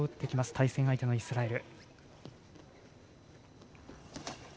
対戦相手のイスラエル。